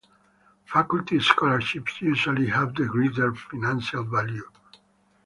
Faculty scholarships usually have the greater financial value.